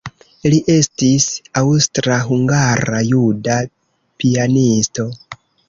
Li estis aŭstra-hungara-juda pianisto.